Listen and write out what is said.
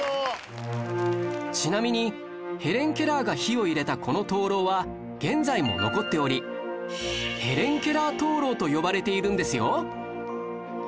ちなみにヘレン・ケラーが火を入れたこの灯篭は現在も残っており「ヘレン・ケラー灯篭」と呼ばれているんですよ